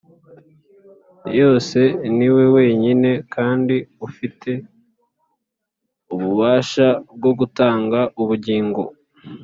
Yse niwe wenyine kandi ufite ububasha bwo gutanga ubugingo